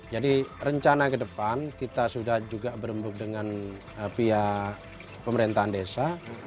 jadi rencana kedepan kita sudah juga berembuk dengan pihak pemerintahan desa